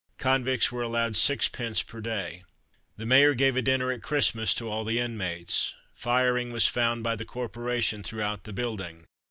Convicts were allowed 6d. per day. The mayor gave a dinner at Christmas to all the inmates. Firing was found by the corporation throughout the building.